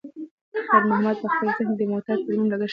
خیر محمد په خپل ذهن کې د موټر د ترمیم لګښت ورکاوه.